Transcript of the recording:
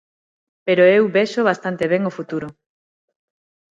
Pero eu vexo bastante ben o futuro.